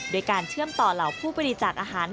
โดยการเชื่อมต่อเหล่าผู้บริจาคอาหาร